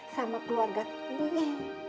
sama keluarga kita